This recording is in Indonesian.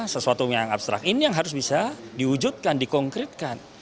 sesuatu yang abstrak ini yang harus bisa diwujudkan dikonkretkan